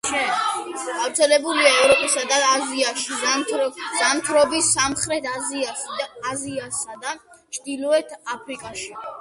გავრცელებულია ევროპასა და აზიაში, ზამთრობს სამხრეთ აზიასა და ჩრდილოეთ აფრიკაში.